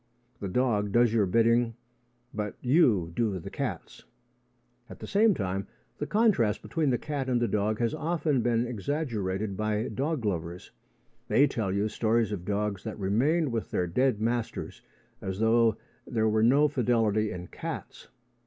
The dog does your bidding, but you do the cat's. At the same time, the contrast between the cat and the dog has often been exaggerated by dog lovers. They tell you stories of dogs that remained with their dead masters, as though there were no fidelity in cats.